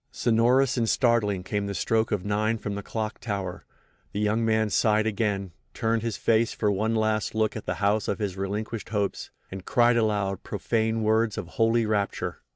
Sonorous and startling came the stroke of 9 from the clock tower. The young man sighed again, turned his face for one last look at the house of his relinquished hopes—and cried aloud profane words of holy rapture.